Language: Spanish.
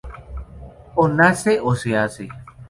O se nace o se hace